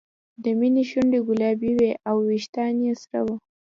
د مینې شونډې ګلابي وې او وېښتان یې سره وو